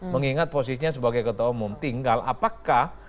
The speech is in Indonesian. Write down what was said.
mengingat posisinya sebagai ketua umum tinggal apakah